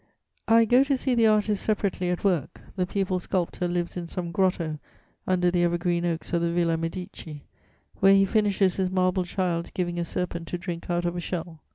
_ I go to see the artists separately at work; the pupil sculptor lives in some grotto, under the evergreen oaks of the Villa Medici, where he finishes his marble child giving a serpent to drink out of a shell.